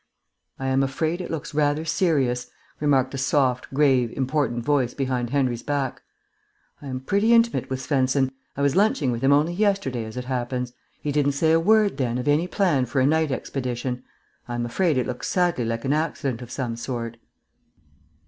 "I am afraid it looks rather serious," remarked a soft, grave, important voice behind Henry's back. "I am pretty intimate with Svensen; I was lunching with him only yesterday, as it happens. He didn't say a word then of any plan for a night expedition, I am afraid it looks sadly like an accident of some sort."